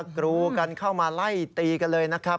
กรูกันเข้ามาไล่ตีกันเลยนะครับ